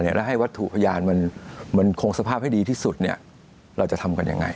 แล้วให้วัตถุพยานมันคงสภาพให้ดีที่สุดเราจะทำกันยังไง